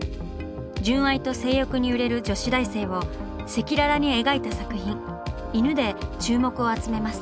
純愛と性欲に揺れる女子大生を赤裸々に描いた作品「いぬ」で注目を集めます。